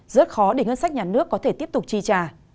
rất khó để ngân sách nhà nước có thể tiếp tục chi trả